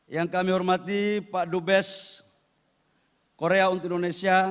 yang kami hormati pak dubes korea untuk indonesia